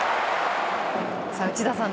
内田さん